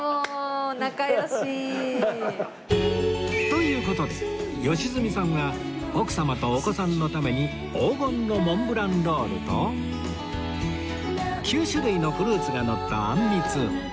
という事で良純さんが奥様とお子さんのために黄金のモンブランロールと９種類のフルーツがのったあんみつ